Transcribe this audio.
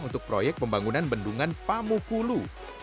untuk proyek pembangunan bendungan pamukulu